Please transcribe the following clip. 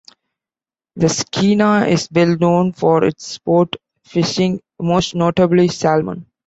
The Skeena is well known for its sport fishing, most notably salmon.